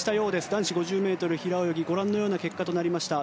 男子５０ｍ平泳ぎはご覧のような結果となりました。